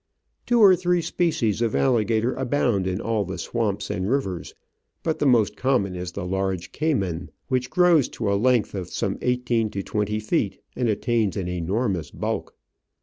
Two or three species of alligator abound in all the swamps and rivers, but the most common is the large cayman, which grows to a length of from eighteen to twenty feet, and attains an enormous bulk.